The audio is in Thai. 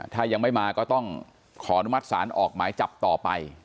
ถ้ายังไม่มาก็ต้องขออนุมัติศาลออกหมายจับต่อไป